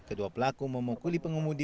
kedua pelaku memukuli pengemudi